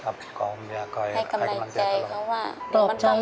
ครับก็ให้กำลังใจเขาว่าเดี๋ยวมันก็หาย